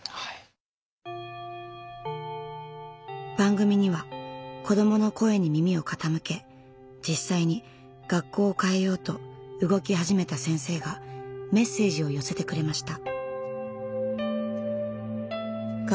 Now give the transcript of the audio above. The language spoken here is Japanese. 番組には子どもの声に耳を傾け実際に学校を変えようと動き始めた先生がメッセージを寄せてくれました。